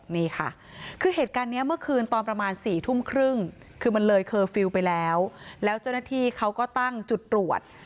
นี่ค่ะคือเหตุการณ์นี้เมื่อคืนตอนประมาณ๔ทุ่มครึ่งคือมันเลยเคอร์ฟิลล์ไปแล้วแล้วเจ้าหน้าที่เขาก็ตั้งจุดตรวจ